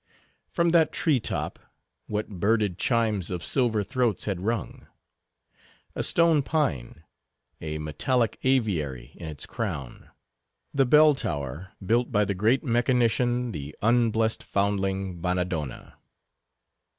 From that tree top, what birded chimes of silver throats had rung. A stone pine; a metallic aviary in its crown: the Bell Tower, built by the great mechanician, the unblest foundling, Bannadonna.